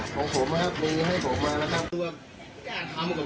อยู่ชั้นที่สังหรรับคนหลาด